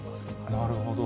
なるほど。